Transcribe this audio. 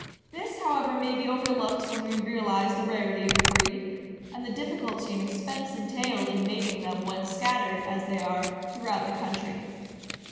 This, however, may be overlooked when we realize the rarity of the breed, and the difficulty and expense entailed in mating them when scattered, as they are, throughout the country.